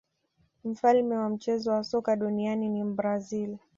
mfalme wa mchezo wa soka duniani ni mbrazil